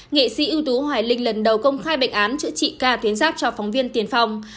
nghệ sĩ ưu tú hoài linh lần đầu công khai bệnh án chữa trị ca tuyến giác cho phóng viên tiền phong